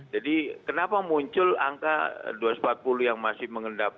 jadi kenapa muncul angka dua ratus empat puluh yang masih mengendap